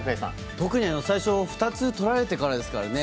特に最初２つ取られてからですからね。